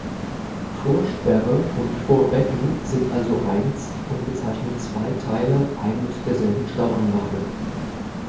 Vorsperre und Vorbecken sind also eins und bezeichnen zwei Teile ein und derselben Stauanlage.